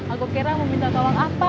aku kira mau minta tolong apa